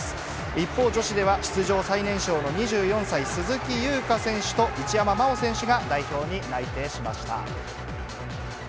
一方、女子では出場最年少の２４歳、鈴木優花選手と一山麻緒選手が代表に内定しました。